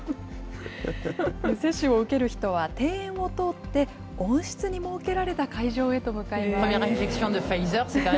接種を受ける人は庭園を通って、温室に設けられた会場へと向かいます。